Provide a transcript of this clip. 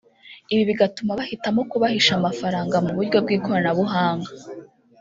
ibi bigatuma bahitamo kubahisha amafaranga mu buryo bw’ikoranabuhanga